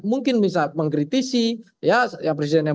mungkin bisa mengkritisi ya presiden yang